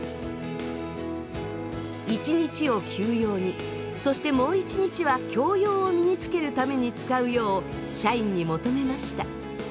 一日を休養にそしてもう一日は教養を身につけるために使うよう社員に求めました。